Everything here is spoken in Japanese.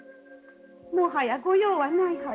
もはや御用はないはず。